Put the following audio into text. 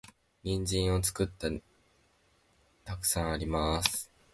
人参を使った料理は沢山あります。